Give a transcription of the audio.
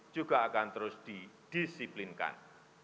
juga akan terus didisiplinkan